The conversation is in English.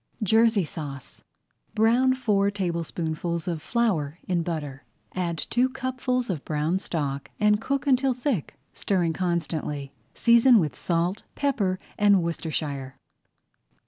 [Page 28] JERSEY SAUCE Brown four tablespoonfuls of flour in butter, add two cupfuls of brown stock and cook until thick, stirring constantly. Season with salt, pepper, and Worcestershire.